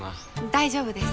大丈夫です。